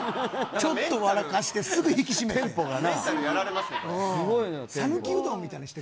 ちょっと笑かして、すぐ引き締めて。